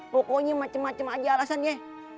pokoknya macem macem aja alasannya